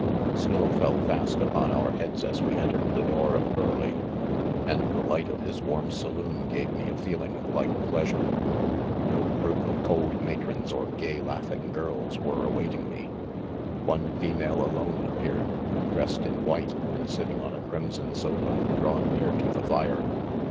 Sno¥/ fell fast upon our heads as we entered the door of Burleigh, and the light of his warm saloon gave me a feeling like pleasure. No group of cold matrons m guy laughing girls were awaiting me. One female alone ap peared, dressedin white, and sitting on a crim son sofa, drawn near to the fire.